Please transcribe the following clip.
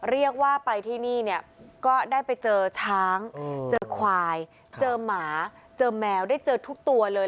เรียกว่าไปที่นี่ไปได้เจอช้างฮวายมหาแมวทุกตัวเลย